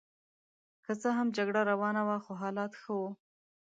که څه هم جګړه روانه وه خو حالات ښه وو.